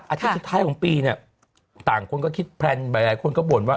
อาทิตย์สุดท้ายของปีเนี่ยต่างคนก็คิดแพลนหลายคนก็บ่นว่า